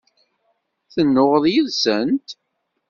Tennuɣeḍ yid-sent?